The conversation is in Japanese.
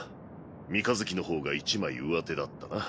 三日月の方が一枚上手だったな。